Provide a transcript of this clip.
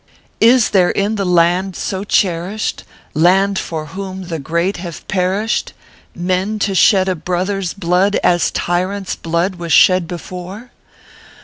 Is there iu tho land so cherished, land for whom the great havo per ished, Men to shed a brother s blood as tyrant s blood was shed before